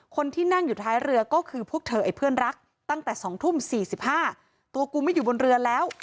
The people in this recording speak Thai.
คนที่นั่งอยู่ท้ายเรือก็คือพวกเธอไอ้เพื่อนรักตั้งแต่๒ทุ่ม๔๕ตัวกูไม่อยู่บนเรือแล้ว